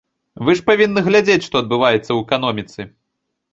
Вы ж павінны глядзець, што адбываецца ў эканоміцы.